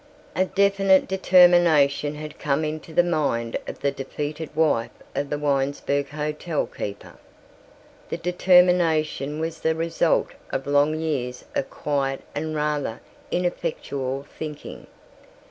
A definite determination had come into the mind of the defeated wife of the Winesburg hotel keeper. The determination was the result of long years of quiet and rather ineffectual thinking.